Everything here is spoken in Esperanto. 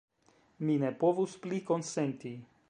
Mi ne povus pli konsenti!